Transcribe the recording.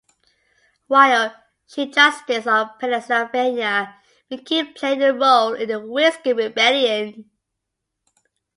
While Chief Justice of Pennsylvania, McKean played a role in the Whiskey Rebellion.